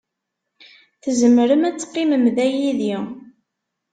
Tzemrem ad teqqimem da yid-i.